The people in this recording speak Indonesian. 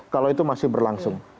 kalau itu masih berlangsung